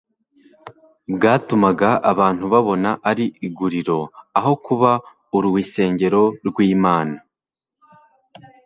bwatumaga abantu babona ari iguriro aho kuba uruisengero rw'Imana.